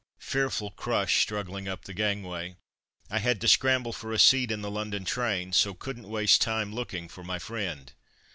Fearful crush struggling up the gangway. I had to scramble for a seat in the London train, so couldn't waste time looking for my friend.